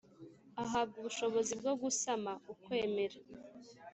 ahabwa ubushobozi bwo gusama. ukwemera